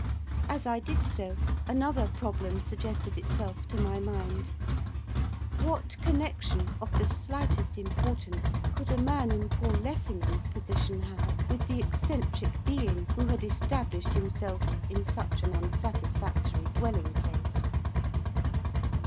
As I did so, another problem suggested itself to my mind, what connection, of the slightest importance, could a man in Paul Lessingham's position have with the eccentric being who had established himself in such an unsatisfactory dwelling place?